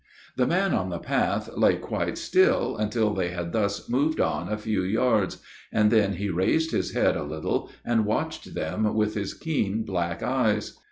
The man on the path lay quite still until they had thus moved on a few yards, and then he raised his head a little, and watched them with his keen black eyes.